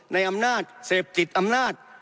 ในอำนาจเสพติดอำนาจ